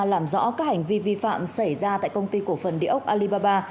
làm rõ các hành vi vi phạm xảy ra tại công ty cổ phần địa ốc alibaba